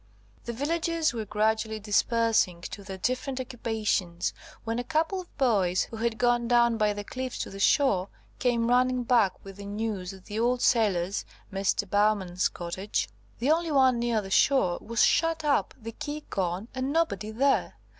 The villagers were gradually dispersing to their different occupations, when a couple of boys, who had gone down by the cliffs to the shore, came running back with the news that the old sailor's (Mr. Bowman's) cottage, the only one near the shore, was shut up, the key gone, and nobody there.